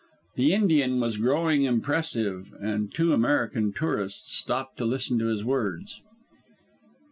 The Indian was growing impressive, and two American tourists stopped to listen to his words.